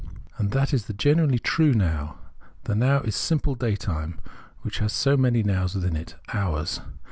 And that is the genuinely true Now ; the Now is simple day time which has many Nows within it — hours.